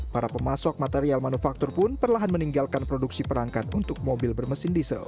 para pemasok material manufaktur pun perlahan meninggalkan produksi perangkat untuk mobil bermesin diesel